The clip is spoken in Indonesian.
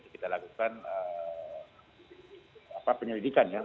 kita lakukan penyelidikan ya